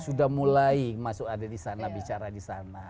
sudah mulai masuk ada di sana bicara di sana